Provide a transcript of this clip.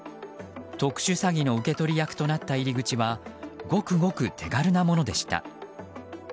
特殊詐欺の受け取り役となった入り口はごくごく手軽なものでした。